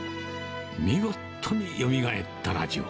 見事によみがえったラジオ。